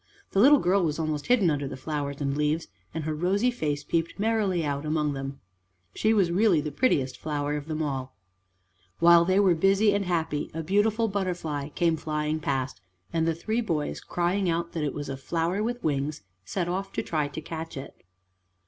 The little girl was almost hidden under the flowers and leaves, and her rosy face peeped merrily out among them. She was really the prettiest flower of them all. While they were busy and happy, a beautiful butterfly came flying past, and the three boys, crying out that it was a flower with wings, set off to try to catch it.